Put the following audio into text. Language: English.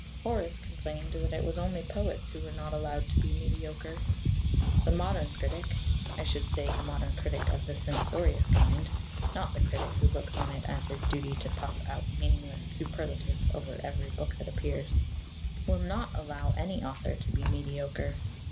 Horace complained that it was only poets who were not allowed to be mediocre. The modern critic I should say the modern critic of the censorious kind, not the critic who looks on it as his duty to puff out meaningless superlatives over every book that appears will not allow any author to be mediocre.